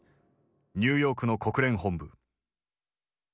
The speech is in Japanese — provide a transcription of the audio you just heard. ニューヨークの国連本部。